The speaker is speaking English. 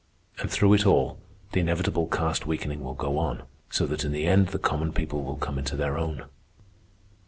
And through it all the inevitable caste weakening will go on, so that in the end the common people will come into their own."